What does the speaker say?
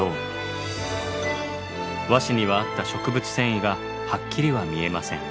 和紙にはあった植物繊維がはっきりは見えません。